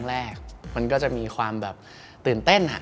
เวลาแรกมันก็จะมีความตื่นเต้น